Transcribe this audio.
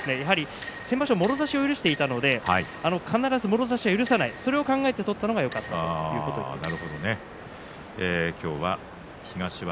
先場所、もろ差しを許したので必ずもろ差しを許さないこれを考えて取ったのがよかったということです。